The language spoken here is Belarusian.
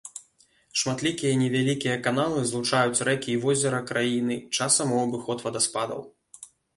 Шматлікія невялікія каналы злучаюць рэкі і возера краіны, часам у абыход вадаспадаў.